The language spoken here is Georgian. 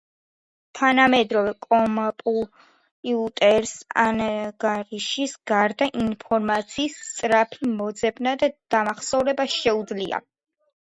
თანამედროვე კომპიუტერს ანგარიშის გარდა, ინფორმაციის სწრაფი მოძებნა და დამახსოვრება შეუძლია.